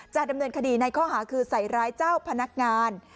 จะดำเนินคดีในข้อหาคือใส่ร้ายเจ้าพนักงาน